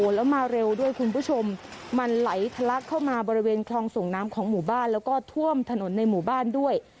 แล้วมาเร็วด้วยคุณผู้ชมมันไหลทะลักเข้ามาบริเวณคลองส่งน้ำของหมู่บ้านแล้วก็ท่วมถนนในหมู่บ้านด้วย